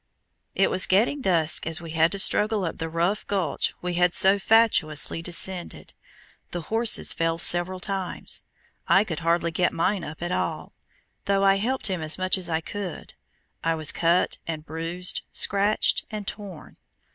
It was getting dusk as we had to struggle up the rough gulch we had so fatuously descended. The horses fell several times; I could hardly get mine up at all, though I helped him as much as I could; I was cut and bruised, scratched and torn.